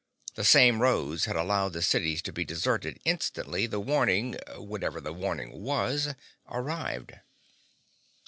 The same roads had allowed the cities to be deserted instantly the warning—whatever the warning was—arrived.